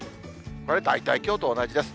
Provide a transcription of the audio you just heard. これ、大体きょうと同じです。